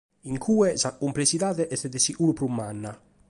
In cue sa cumplessidade est de seguru prus manna.